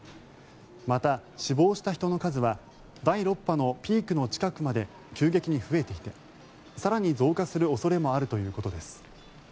また、死亡した人の数は第６波のピークの近くまで急激に増えていて更に増加する恐れもあるということです。